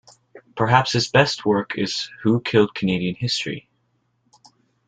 Perhaps his best known work is Who Killed Canadian History?